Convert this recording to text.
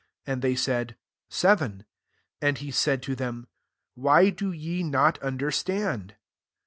*' And they said, "Seven. 21 And he said to them, " Why do ye not understand